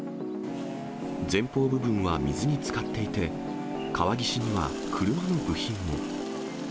前方部分は水につかっていて、川岸には、車の部品も。